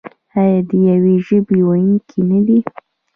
آیا د یوې ژبې ویونکي نه دي؟